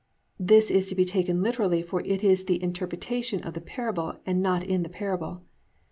"+ This is to be taken literally for it is in the interpretation of the parable and not in the parable.